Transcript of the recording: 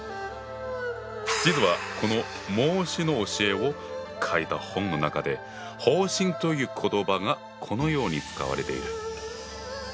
実はこの孟子の教えを書いた本の中で「放心」という言葉がこのように使われている。